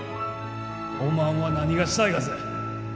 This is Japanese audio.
おまんは何がしたいがぜ？